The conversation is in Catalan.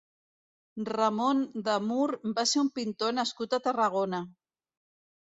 Ramon de Mur va ser un pintor nascut a Tarragona.